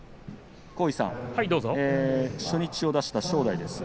初日を出した正代です。